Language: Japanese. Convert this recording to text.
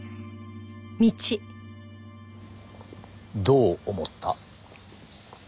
どう思った？